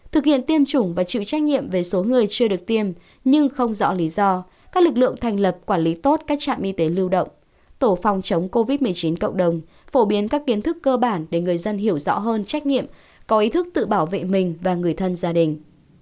thực hiện tiêm chủng và chịu trách nhiệm về số người chưa được tiêm nhưng không rõ lý do các lực lượng thành lập quản lý tốt các trạm y tế lưu động tổ phòng chống covid một mươi chín cộng đồng phổ biến các kiến thức cơ bản để người dân hiểu rõ hơn trách nhiệm có ý thức tự bảo vệ mình và người thân gia đình